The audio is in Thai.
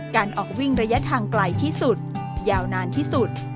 การออกวิ่งระยะทางไกลที่สุดยาวนานที่สุด